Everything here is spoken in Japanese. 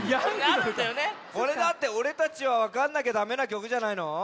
これだっておれたちはわかんなきゃダメな曲じゃないの？